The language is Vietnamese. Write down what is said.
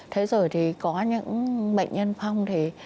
thế rồi thì có những bệnh nhân phong thì